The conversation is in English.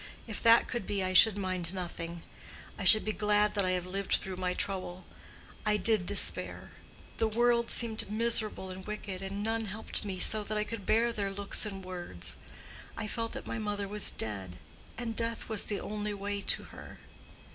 If that could be, I should mind nothing; I should be glad that I have lived through my trouble. I did despair. The world seemed miserable and wicked; none helped me so that I could bear their looks and words; I felt that my mother was dead, and death was the only way to her.